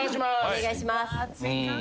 ・お願いします。